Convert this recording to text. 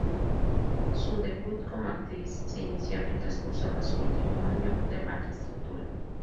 Su debut como actriz se inició mientras cursaba su última año de magistratura.